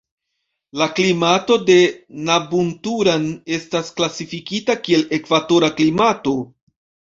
La klimato de Nabunturan estas klasifikita kiel ekvatora klimato.